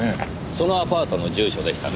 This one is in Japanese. そのアパートの住所でしたね